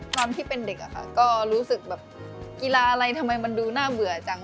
ความที่เป็นเด็กอะค่ะก็รู้สึกแบบกีฬาอะไรทำไมมันดูน่าเบื่อจัง